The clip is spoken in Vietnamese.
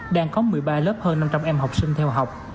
đang có một mươi ba lớp hơn năm trăm linh em học sinh theo học